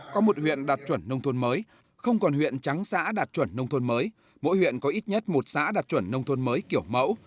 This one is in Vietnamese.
có một huyện đạt chuẩn nông thôn mới không còn huyện trắng xã đạt chuẩn nông thôn mới mỗi huyện có ít nhất một xã đạt chuẩn nông thôn mới kiểu mẫu